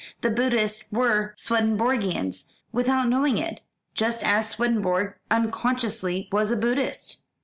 The Buddhists were Swedenborgians without knowing it, just as Swedenborg unconsciously was a Buddhist."